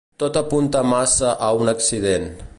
Tot apunta massa a un accident.